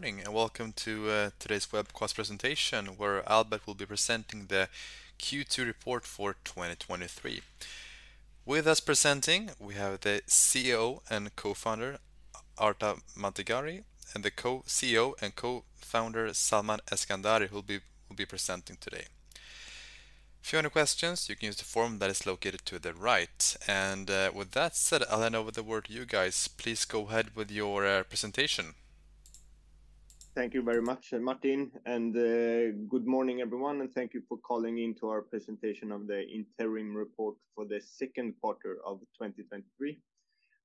Morning, and welcome to today's web class presentation, where Albert will be presenting the Q2 Report for 2023. With us presenting, we have the CEO and Co-founder; Arta Mandegari, and the Co-CEO and Co-founder; Salman Eskandari, who will be presenting today. If you have any questions, you can use the form that is located to the right. With that said, I'll hand over the word to you guys. Please go ahead with your presentation. Thank you very much, Martin, and good morning, everyone, and thank you for calling in to our presentation of the interim report for the second quarter of 2023.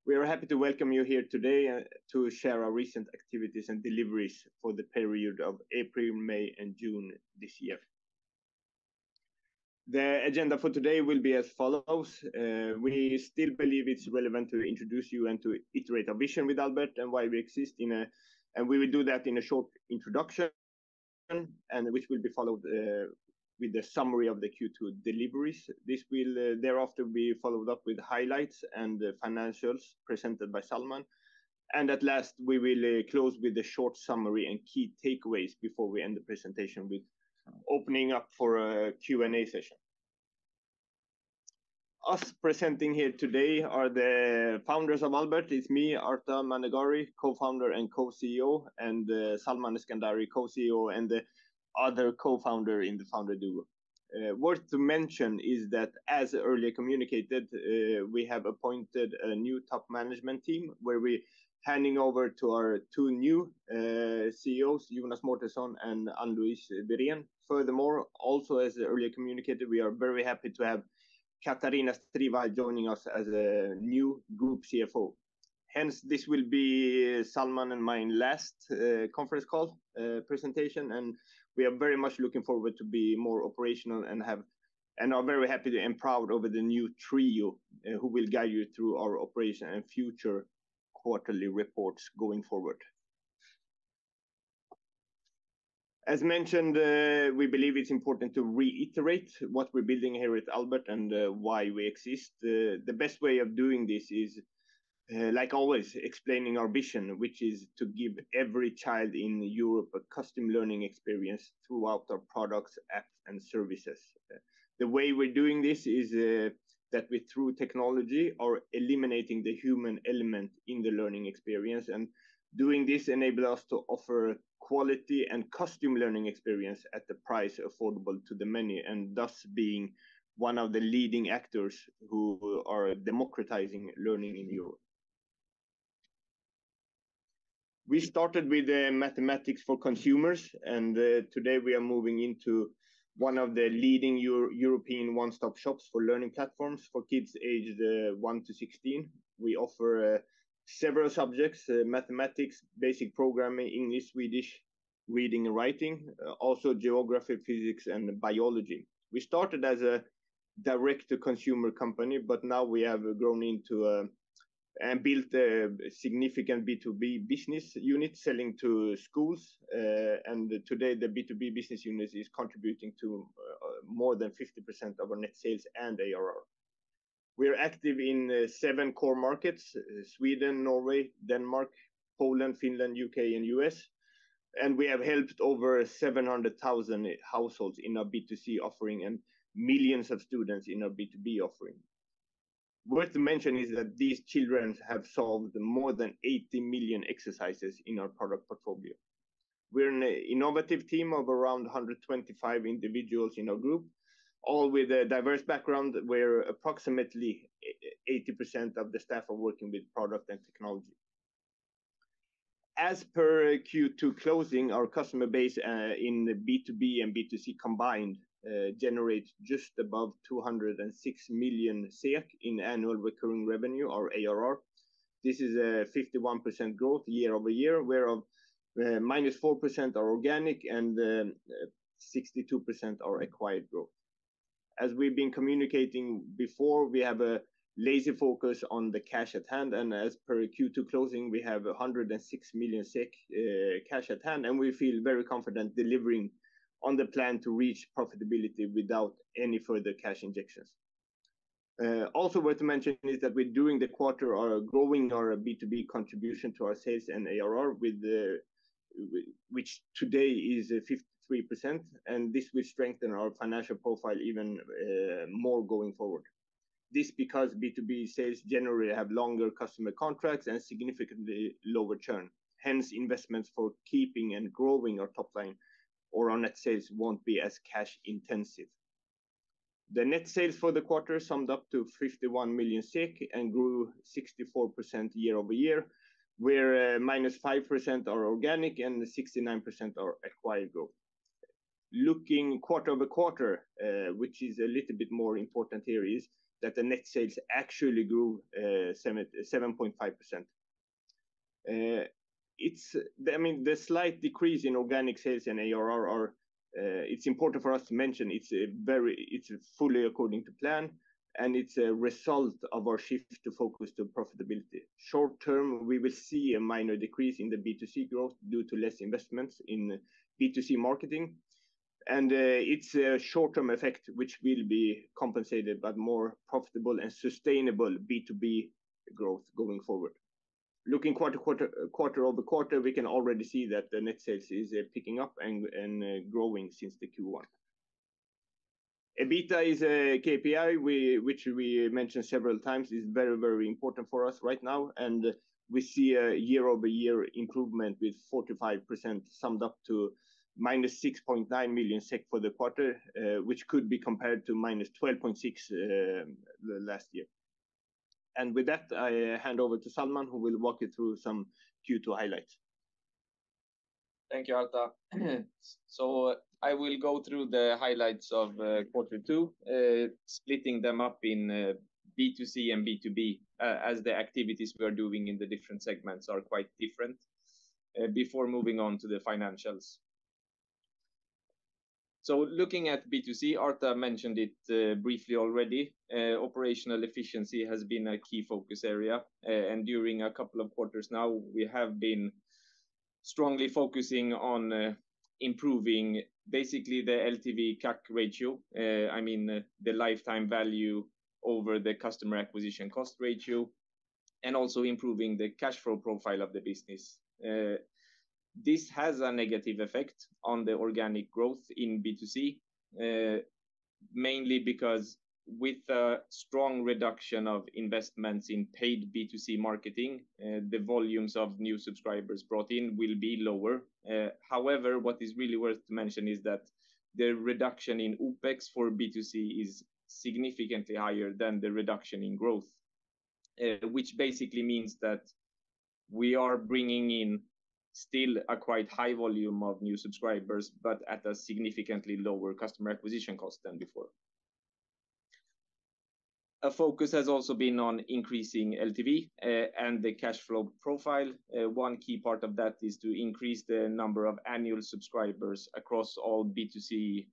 We are happy to welcome you here today, to share our recent activities and deliveries for the period of April, May, and June this year. The agenda for today will be as follows. We still believe it's relevant to introduce you and to iterate our vision with Albert and why we exist and we will do that in a short introduction, and which will be followed with the summary of the Q2 deliveries. This will thereafter be followed up with highlights and the financials presented by Salman. At last, we will close with a short summary and key takeaways before we end the presentation with opening up for a Q&A session. Us presenting here today are the founders of Albert. It's me, Arta Mandegari; co-founder and co-CEO, and Salman Eskandari; co-CEO, and the other co-founder in the founder duo. Worth to mention is that, as earlier communicated, we have appointed a new top management team, where we're handing over to our two new CEOs, Jonas Mårtensson and Anne-Louise Wiren. Furthermore, also as earlier communicated, we are very happy to have Katarina Strivall joining us as a new group CFO. Hence, this will be Salman and my last Conference Call presentation, and we are very much looking forward to be more operational and are very happy and proud over the new trio, who will guide you through our operation and future quarterly reports going forward. As mentioned, we believe it's important to reiterate what we're building here with Albert and why we exist. The best way of doing this is, like always, explaining our vision, which is to give every child in Europe a custom learning experience throughout our products, apps, and services. The way we're doing this is, that with through technology, are eliminating the human element in the learning experience, and doing this enable us to offer quality and custom learning experience at the price affordable to the many, and thus being one of the leading actors who are democratizing learning in Europe. We started with mathematics for consumers, and today we are moving into one of the leading Eur- European one-stop shops for learning platforms for kids aged one to 16. We offer several subjects: mathematics, basic programming, English, Swedish, reading and writing, also geography, physics, and biology. We started as a direct-to-consumer company, but now we have grown into and built a significant B2B business unit selling to schools. Today, the B2B business unit is contributing to more than 50% of our net sales and ARR. We are active in seven core markets: Sweden, Norway, Denmark, Poland, Finland, U.K. and U.S. and we have helped over 700,000 households in our B2C offering and millions of students in our B2B offering. Worth to mention is that these children have solved more than 80 million exercises in our product portfolio. We're an innovative team of around 125 individuals in our group, all with a diverse background, where approximately 80% of the staff are working with product and technology. As per Q2 closing, our customer base in the B2B and B2C combined generates just above 206 million in annual recurring revenue, or ARR. This is a 51% growth year-over-year, where -4% are organic and 62% are acquired growth. As we've been communicating before, we have a laser focus on the cash at hand, and as per Q2 closing, we have 106 million SEK cash at hand, and we feel very confident delivering on the plan to reach profitability without any further cash injections. Also worth to mention is that we're doing the quarter are growing our B2B contribution to our sales and ARR which today is 53%, and this will strengthen our financial profile even more going forward. This because B2B sales generally have longer customer contracts and significantly lower churn. Hence, investments for keeping and growing our top line or our net sales won't be as cash intensive. The net sales for the quarter summed up to 51 million and grew 64% year-over-year, where -5% are organic and 69% are acquired growth. Looking quarter-over-quarter, which is a little bit more important here, is that the net sales actually grew 7.5%. It's the, I mean, the slight decrease in organic sales and ARR are, it's important for us to mention it's fully according to plan, and it's a result of our shift to focus to profitability. Short term, we will see a minor decrease in the B2C growth due to less investments in B2C marketing. It's a short-term effect, which will be compensated by more profitable and sustainable B2B growth going forward. Looking quarter, quarter, quarter-over-quarter, we can already see that the net sales is picking up and growing since the Q1. EBITDA is a KPI which we mentioned several times, is very, very important for us right now, we see a year-over-year improvement with 45% summed up to minus 6.9 million SEK for the quarter, which could be compared to minus 12.6 million last year. With that, I hand over to Salman, who will walk you through some Q2 highlights. Thank you, Arta. I will go through the highlights of Q2, splitting them up in B2C and B2B, as the activities we are doing in the different segments are quite different, before moving on to the financials. Looking at B2C, Arta mentioned it briefly already. Operational efficiency has been a key focus area, and during a couple of quarters now, we have been strongly focusing on improving basically the LTV/CAC ratio. I mean, the lifetime value over the customer acquisition cost ratio, and also improving the cash flow profile of the business. This has a negative effect on the organic growth in B2C, mainly because with a strong reduction of investments in paid B2C marketing, the volumes of new subscribers brought in will be lower. However, what is really worth to mention is that the reduction in OPEX for B2C is significantly higher than the reduction in growth, which basically means that we are bringing in still a quite high volume of new subscribers, but at a significantly lower customer acquisition cost than before. Our focus has also been on increasing LTV, and the cash flow profile. One key part of that is to increase the number of annual subscribers across all B2C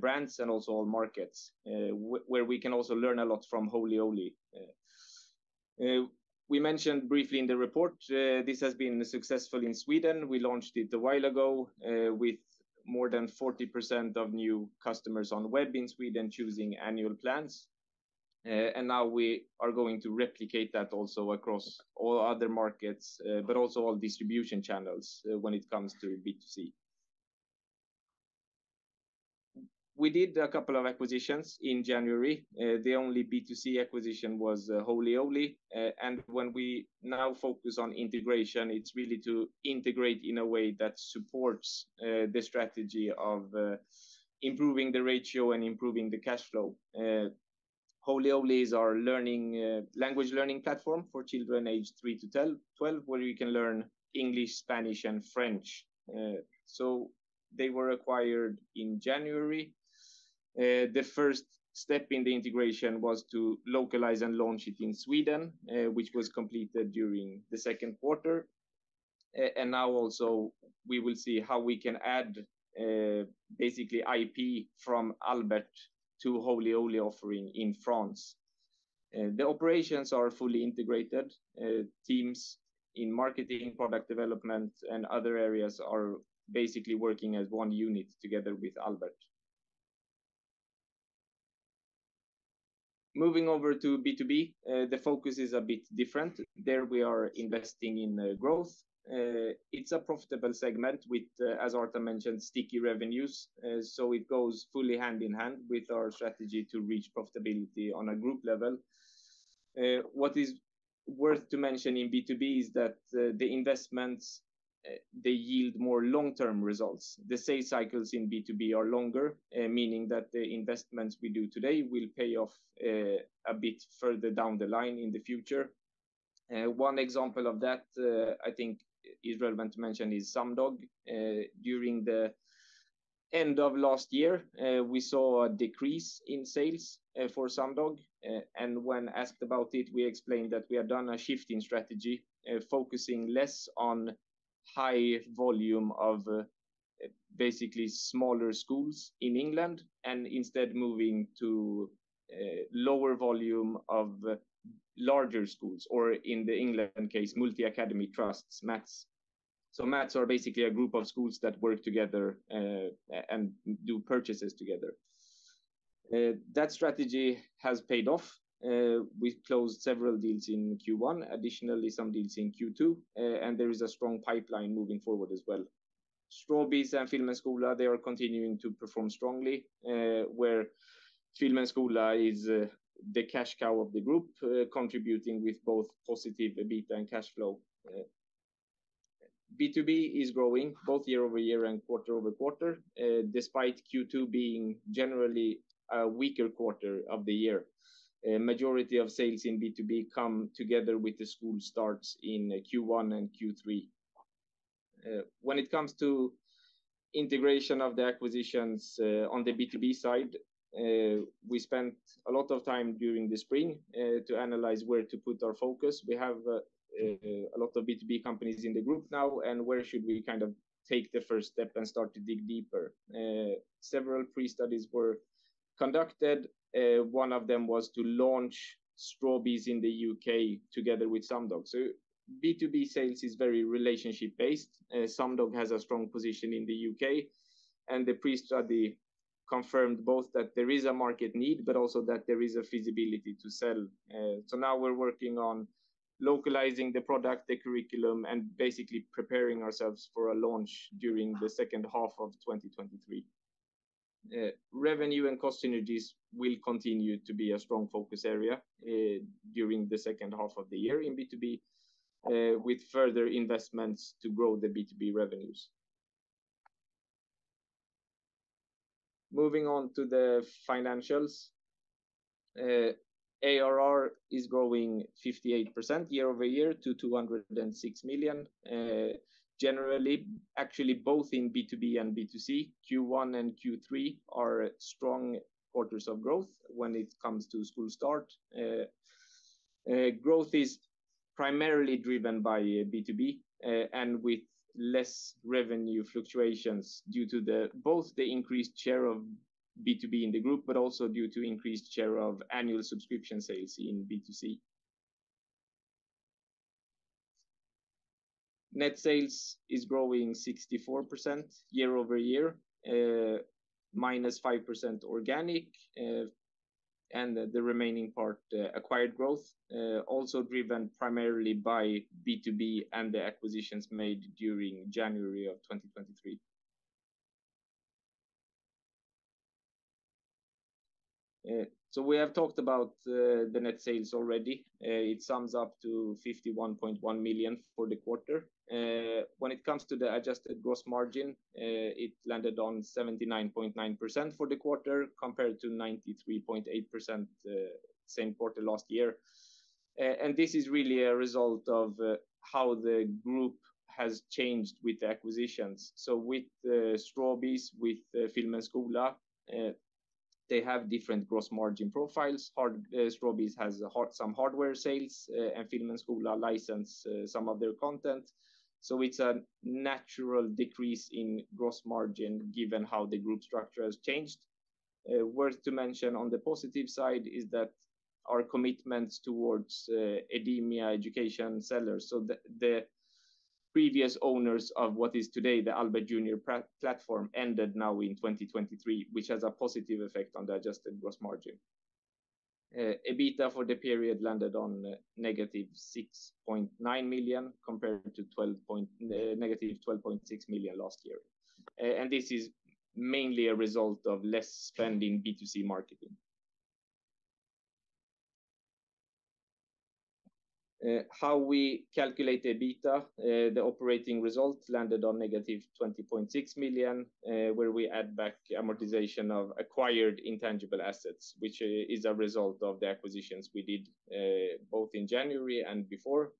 brands and also all markets, where we can also learn a lot from Holy Owly. We mentioned briefly in the report, this has been successful in Sweden. We launched it a while ago, with more than 40% of new customers on web in Sweden, choosing annual plans. Now we are going to replicate that also across all other markets, but also all distribution channels, when it comes to B2C. We did a couple of acquisitions in January. The only B2C acquisition was Holy Owly. When we now focus on integration, it's really to integrate in a way that supports the strategy of improving the ratio and improving the cash flow. Holy Owly is our learning language learning platform for children aged three to 12, where you can learn English, Spanish and French. They were acquired in January. The first step in the integration was to localize and launch it in Sweden, which was completed during the second quarter. Now also, we will see how we can add basically IP from Albert to Holy Owly offering in France. The operations are fully integrated. Teams in marketing, product development, and other areas are basically working as one unit together with Albert. Moving over to B2B, the focus is a bit different. There, we are investing in growth. It's a profitable segment with, as Arta mentioned, sticky revenues. It goes fully hand in hand with our strategy to reach profitability on a group level. What is worth to mention in B2B is that the investments they yield more long-term results. The sales cycles in B2B are longer, meaning that the investments we do today will pay off a bit further down the line in the future. One example of that I think is relevant to mention, is Sumdog. During the end of last year, we saw a decrease in sales for Sumdog, and when asked about it, we explained that we have done a shift in strategy, focusing less on high volume of basically smaller schools in England, and instead moving to lower volume of larger schools, or in the England case, Multi-Academy Trusts, MATs. MATs are basically a group of schools that work together and do purchases together. That strategy has paid off. We've closed several deals in Q1, additionally, some deals in Q2, and there is a strong pipeline moving forward as well. Strawbees and Film & Skola, they are continuing to perform strongly, where Film & Skola is the cash cow of the group, contributing with both positive EBITDA and cash flow. B2B is growing both year-over-year and quarter-over-quarter, despite Q2 being generally a weaker quarter of the year. Majority of sales in B2B come together with the school starts in Q1 and Q3. When it comes to integration of the acquisitions, on the B2B side, we spent a lot of time during the spring to analyze where to put our focus. We have a lot of B2B companies in the group now, and where should we kind of take the first step and start to dig deeper? Several pre-studies were conducted. One of them was to launch Strawbees in the U.K. together with Sumdog. B2B sales is very relationship-based. Sumdog has a strong position in the U.K., the pre-study confirmed both that there is a market need, but also that there is a feasibility to sell. Now we're working on localizing the product, the curriculum, and basically preparing ourselves for a launch during the second half of 2023. Revenue and cost synergies will continue to be a strong focus area during the second half of the year in B2B, with further investments to grow the B2B revenues. Moving on to the financials. ARR is growing 58% year-over-year to 206 million. Generally, actually, both in B2B and B2C, Q1 and Q3 are strong quarters of growth when it comes to school start. Growth is primarily driven by B2B, and with less revenue fluctuations due to the, both the increased share of B2B in the group, but also due to increased share of annual subscription sales in B2C. Net sales is growing 64% year-over-year, -5% organic, and the remaining part, acquired growth, also driven primarily by B2B and the acquisitions made during January 2023. We have talked about the net sales already. It sums up to 51.1 million for the quarter. When it comes to the adjusted gross margin, it landed on 79.9% for the quarter, compared to 93.8%, same quarter last year. This is really a result of how the group has changed with the acquisitions. With Strawbees, with Film & Skola, they have different gross margin profiles. Strawbees has some hardware sales, and Film & Skola license some of their content. It's a natural decrease in gross margin, given how the group structure has changed. Worth to mention on the positive side is that our commitments towards Edimia education sellers, so the, the previous owners of what is today, the Albert Junior platform, ended now in 2023, which has a positive effect on the adjusted gross margin. EBITDA for the period landed on negative 6.9 million, compared to negative 12.6 million last year. This is mainly a result of less spend in B2C marketing. How we calculate EBITDA, the operating results landed on negative 20.6 million, where we add back amortization of acquired intangible assets, which is a result of the acquisitions we did both in January and before.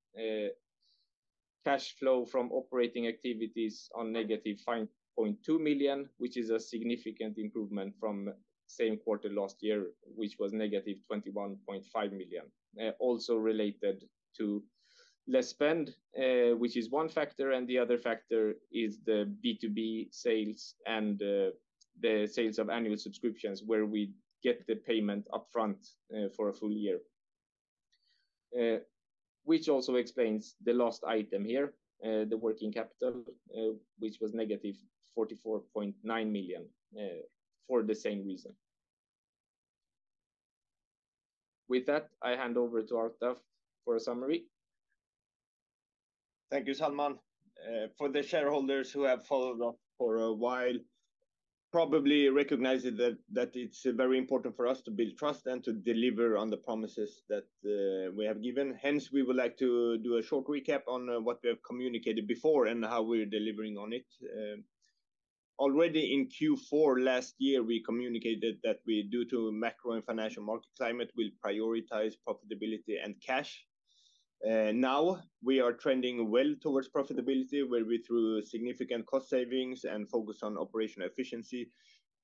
Cash flow from operating activities on negative 5.2 million, which is a significant improvement from same quarter last year, which was negative 21.5 million. Also related to less spend, which is one factor, and the other factor is the B2B sales and the sales of annual subscriptions, where we get the payment upfront for a full year. Which also explains the last item here, the working capital, which was negative 44.9 million for the same reason. With that, I hand over to Arta for a summary. Thank you, Salman. For the shareholders who have followed up for a while, probably recognize that, that it's very important for us to build trust and to deliver on the promises that we have given. Hence, we would like to do a short recap on what we have communicated before and how we're delivering on it. Already in Q4 last year, we communicated that we, due to macro and financial market climate, will prioritize profitability and cash. Now we are trending well towards profitability, where we, through significant cost savings and focus on operational efficiency,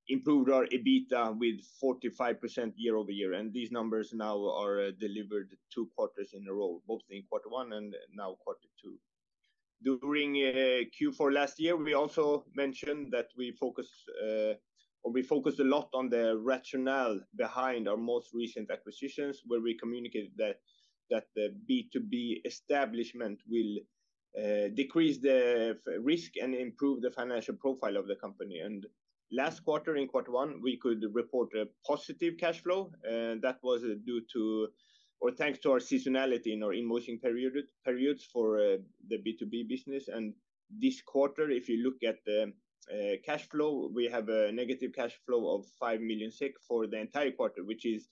improved our EBITDA with 45% year-over-year, and these numbers now are delivered 2 quarters in a row, both in quarter one and now quarter two. During Q4 last year, we also mentioned that we focus, or we focus a lot on the rationale behind our most recent acquisitions, where we communicated that, that the B2B establishment will decrease the risk and improve the financial profile of the company. Last quarter, in Q1, we could report a positive cash flow, that was due to, or thanks to our seasonality in our invoicing period, periods for the B2B business. This quarter, if you look at the cash flow, we have a negative cash flow of 5 million SEK for the entire quarter, which is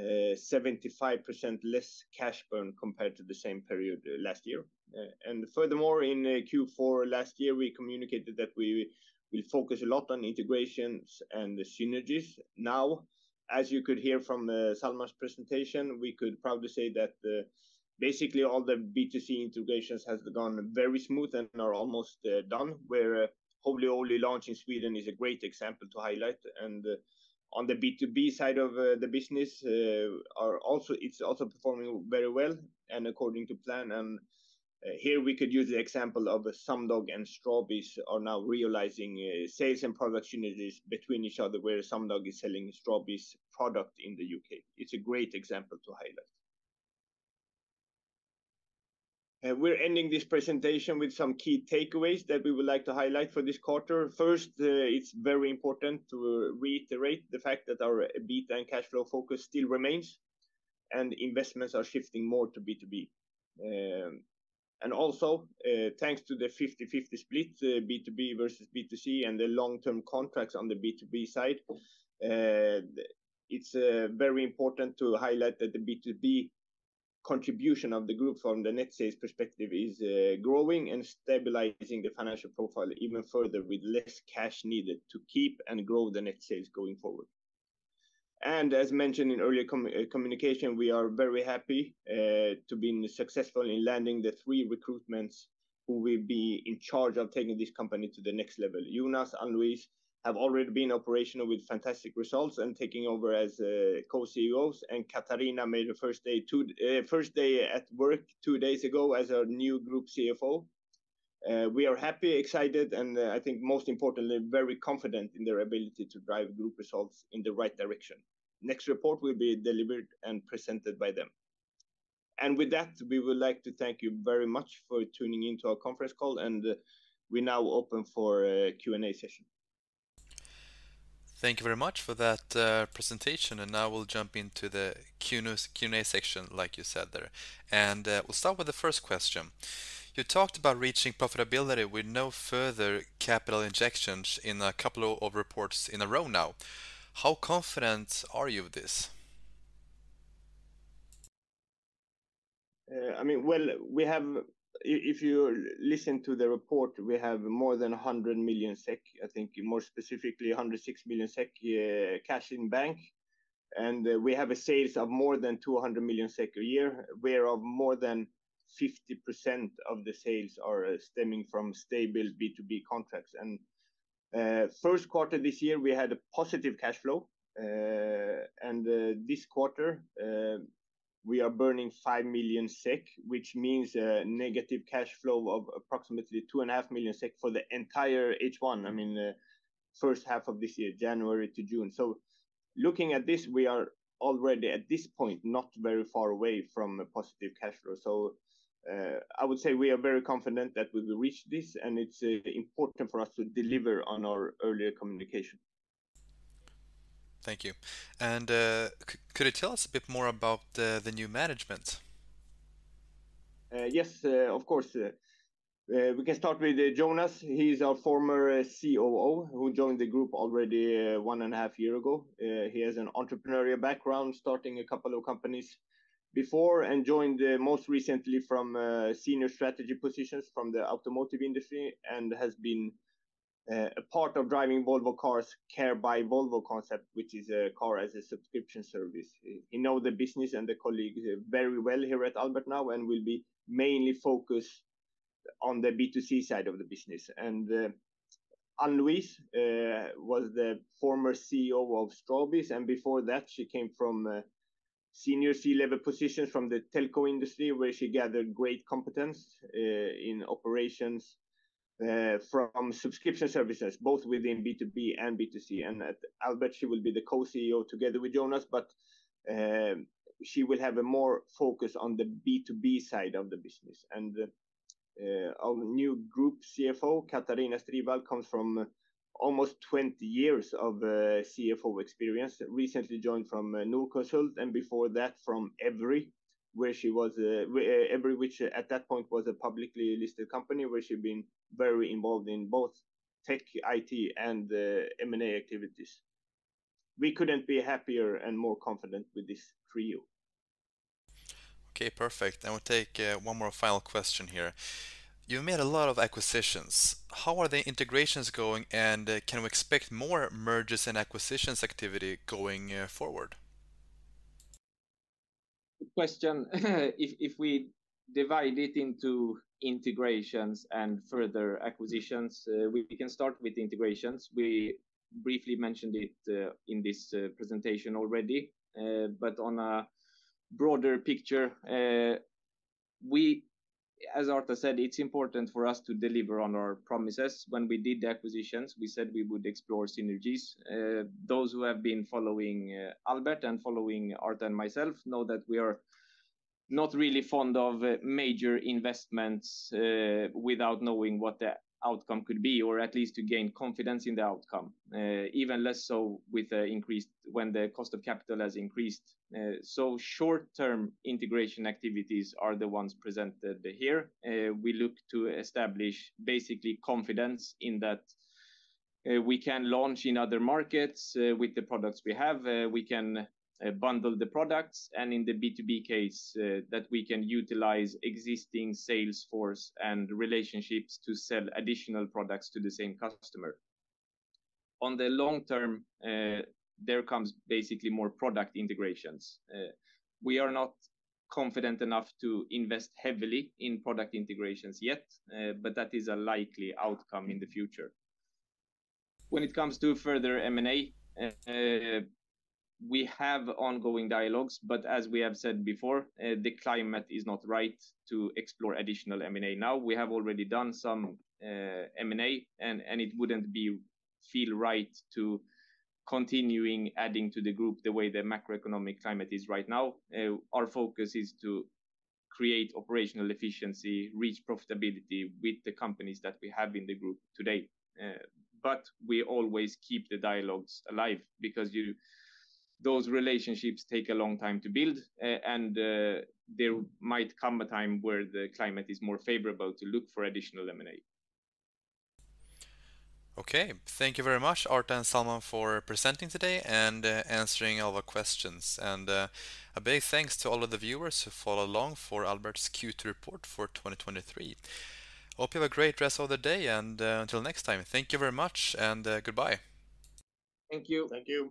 75% less cash burn compared to the same period last year. Furthermore, in Q4 last year, we communicated that we will focus a lot on integrations and the synergies. Now, as you could hear from Salman's presentation, we could probably say that basically all the B2C integrations has gone very smooth and are almost done, where Holy Owly launch in Sweden is a great example to highlight. On the B2B side of the business, it's also performing very well and according to plan. Here we could use the example of Sumdog and Strawbees are now realizing sales and product synergies between each other, where Sumdog is selling Strawbees product in the U.K.. It's a great example to highlight. We're ending this presentation with some key takeaways that we would like to highlight for this quarter. First, it's very important to reiterate the fact that our EBITDA and cash flow focus still remains, and investments are shifting more to B2B. Also, thanks to the 50/50 split, B2B versus B2C, and the long-term contracts on the B2B side, it's very important to highlight that the B2B contribution of the group from the net sales perspective is growing and stabilizing the financial profile even further, with less cash needed to keep and grow the net sales going forward. As mentioned in earlier communication, we are very happy to be successful in landing the three recruitments who will be in charge of taking this company to the next level. Jonas and Louise have already been operational with fantastic results and taking over as co-CEOs, and Katarina made her first day at work two days ago as our new group CFO. We are happy, excited, and I think most importantly, very confident in their ability to drive group results in the right direction. Next report will be delivered and presented by them. With that, we would like to thank you very much for tuning in to our conference call, and we now open for a Q&A session. Thank you very much for that presentation, and now we'll jump into the Q&A section, like you said there. We'll start with the first question. You talked about reaching profitability with no further capital injections in a couple of reports in a row now. How confident are you with this? Well, we have, if you listen to the report, we have more than 100 million SEK. I think more specifically, 106 million SEK cash in bank, and we have sales of more than 200 million SEK a year, whereof more than 50% of the sales are stemming from stable B2B contracts. First quarter this year, we had a positive cash flow. This quarter, we are burning 5 million SEK, which means a negative cash flow of approximately 2.5 million SEK for the entire H1, first half of this year, January to June. Looking at this, we are already, at this point, not very far away from a positive cash flow. I would say we are very confident that we will reach this, and it's important for us to deliver on our earlier communication. Thank you. Could you tell us a bit more about the new management? Yes, of course. We can start with Jonas. He's our former COO, who joined the group already 1 and a half year ago. He has an entrepreneurial background, starting a couple of companies before and joined most recently from senior strategy positions from the automotive industry, and has been a part of driving Volvo Cars' Care by Volvo concept, which is a car as a subscription service. He know the business and the colleagues very well here at Albert now, and will be mainly focused on the B2C side of the business. Anne-Louise was the former CEO of Strawbees, and before that, she came from senior C-level positions from the telco industry, where she gathered great competence in operations from subscription services, both within B2B and B2C. At Albert, she will be the co-CEO together with Jonas, but she will have a more focus on the B2B side of the business. Our new group CFO, Katarina Strivall, comes from almost 20 years of CFO experience, recently joined from Norconsult, and before that, from EVRY, where she was EVRY, which at that point was a publicly listed company, where she'd been very involved in both tech, IT, and M&A activities. We couldn't be happier and more confident with this trio. Okay, perfect. I will take one more final question here. You've made a lot of acquisitions. How are the integrations going, and can we expect more mergers and acquisitions activity going forward? Good question. If we divide it into integrations and further acquisitions, we can start with integrations. We briefly mentioned it in this presentation already. But on a broader picture, as Arta said, it's important for us to deliver on our promises. When we did the acquisitions, we said we would explore synergies. Those who have been following Albert and following Arta and myself know that we are not really fond of major investments without knowing what the outcome could be, or at least to gain confidence in the outcome. Even less so with the increased when the cost of capital has increased. Short-term integration activities are the ones presented here. We look to establish basically confidence in that, we can launch in other markets, with the products we have, we can, bundle the products, and in the B2B case, that we can utilize existing sales force and relationships to sell additional products to the same customer. On the long term, there comes basically more product integrations. We are not confident enough to invest heavily in product integrations yet, but that is a likely outcome in the future. When it comes to further M&A, we have ongoing dialogues, but as we have said before, the climate is not right to explore additional M&A now. We have already done some, M&A, and, and it wouldn't feel right to continuing adding to the group the way the macroeconomic climate is right now. Our focus is to create operational efficiency, reach profitability with the companies that we have in the group today. We always keep the dialogues alive because those relationships take a long time to build, and there might come a time where the climate is more favorable to look for additional M&A. Okay. Thank you very much, Arta and Salman, for presenting today and answering all the questions. A big thanks to all of the viewers who followed along for Albert's Q2 report for 2023. Hope you have a great rest of the day, and until next time, thank you very much, and goodbye. Thank you. Thank you.